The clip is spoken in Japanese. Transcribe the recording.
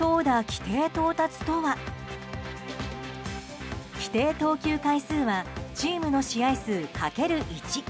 規定投球回数はチームの試合数かける１。